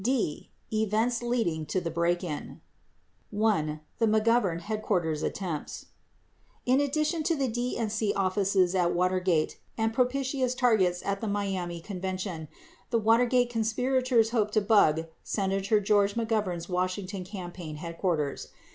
18 D. Events Leading to the Break In i. the m 'govern headquarters attempts In addition to the DNC offices at Watergate and propitious targets at the Miami convention, the Watergate conspirators hoped to bug Senator George McGovern's Washington campaign headquarters.